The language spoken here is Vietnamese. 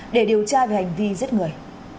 để điều tra về hành vi giết người